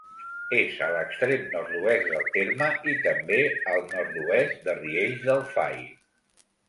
És a l'extrem nord-oest del terme, i també al nord-oest de Riells del Fai.